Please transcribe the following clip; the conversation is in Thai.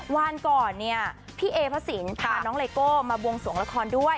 วันก่อนเนี่ยพี่เอพระสินพาน้องไลโก้มาบวงสวงละครด้วย